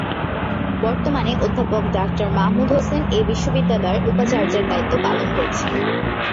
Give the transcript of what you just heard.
বর্তমানে অধ্যাপক ডাক্তার মাহমুদ হোসেন এ বিশ্ববিদ্যালয়ের উপাচার্যের দায়িত্ব পালন করছেন।